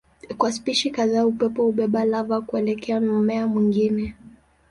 Kwa spishi kadhaa upepo hubeba lava kuelekea mmea mwingine.